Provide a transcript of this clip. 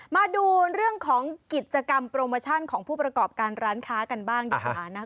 มาดูเรื่องของกิจกรรมโปรโมชั่นของผู้ประกอบการร้านค้ากันบ้างดีกว่านะคะ